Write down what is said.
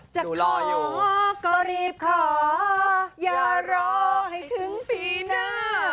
จะรออยู่ก็รีบขออย่ารอให้ถึงปีหน้า